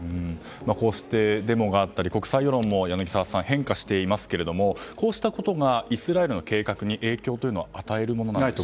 こうしてデモがあったり国際世論も、柳澤さん変化していますがこうしたことがイスラエルの計画に影響を与えるものなんでしょうか。